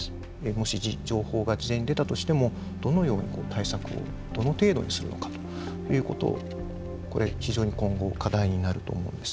もし情報が事前に出たとしてもどのように対策をどの程度にするのかということをこれ非常に今後課題になると思うんです。